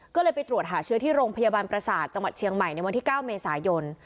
ก็เลยไปตรวจหาเชื้อที่โรงพยาบาลประสาทจังหวัดเชียงใหม่ในวันที่๙เมษายน